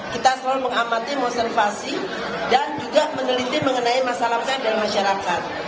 kita selalu mengamati menginfeksi dan juga meneliti masalah masalah masyarakat